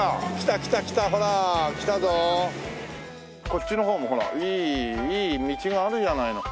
こっちの方もほらいい道があるじゃないの。